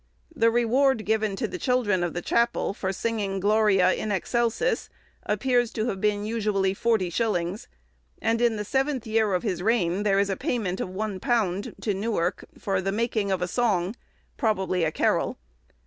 The reward given to the children of the chapel, for singing "Gloria in excelsis," appears to have been usually 40_s._; and, in the seventh year of his reign, there is a payment of £1 to Newark, for making of a song, probably a carol.